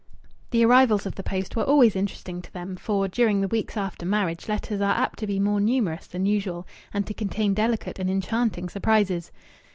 The arrivals of the post were always interesting to them, for during the weeks after marriage letters are apt to be more numerous than usual, and to contain delicate and enchanting surprises.